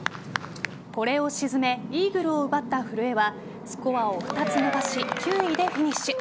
これを沈めイーグルを奪った古江はスコアを２つ伸ばし９位でフィニッシュ。